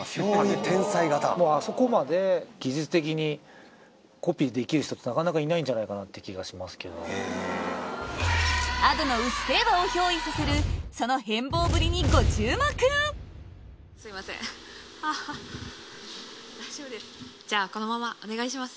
もうあそこまで技術的にコピーできる人ってなかなかいないんじゃないかなって気がしますけどＡｄｏの「うっせぇわ」を憑依させるその変貌ぶりにご注目じゃあお願いします